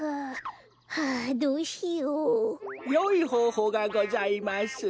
よいほうほうがございます。